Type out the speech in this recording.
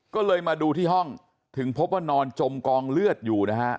ก็เลยมาดูที่ห้องถึงพบว่านอนจมกองเลือดอยู่นะฮะ